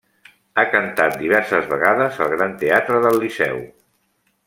Ha cantat diverses vegades al Gran Teatre del Liceu.